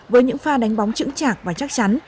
với những pha đánh bóng chững chạc và chắc chắn